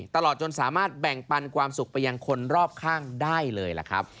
ตลอดจนสามารถแบ่งปันความสุขไปยังคนรอบข้างได้เลยล่ะครับ